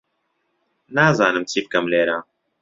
نازانم چی بکەم لێرە.